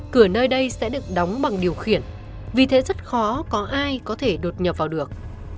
cửa nơi đây sẽ được đóng bằng điều khiển vì thế rất khó có ai có thể đột nhập vào được